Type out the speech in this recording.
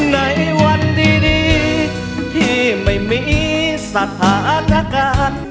ในวันดีที่ไม่มีสถานการณ์